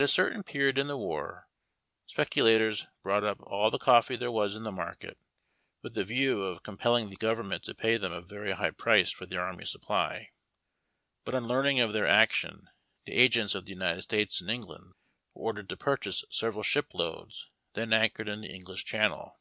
At a certain period in the war, speculators bought up all the coffee there was in the market, with a view of compel ling the government to pay them a very high price for the army suppl}^ ; but on learning of their action the agents of the United States in England were ordered to purchase several shipdoads then anchored in the English Channel.